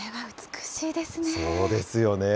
そうですよね。